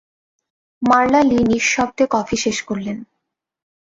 মারলা Lee নিঃশব্দে coffee শেষ করলেন।